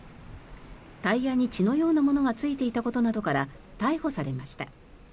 タイヤに血のようなものがついていたことなどから逮捕されました。